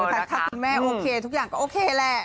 แต่ท่านแม่โอเคทุกอย่างโอเคแหละ